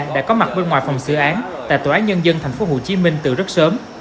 đã có mặt bên ngoài phòng xử án tại tòa án nhân dân thành phố hồ chí minh từ rất sớm